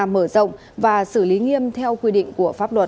mở rộng và xử lý nghiêm theo quy định của pháp luật